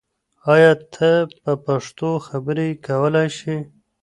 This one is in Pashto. آیا ته په پښتو خبرې کولای شې؟